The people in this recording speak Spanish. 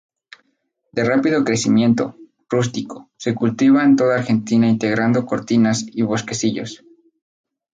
De rápido crecimiento, rústico, se cultiva en toda Argentina integrando cortinas y bosquecillos.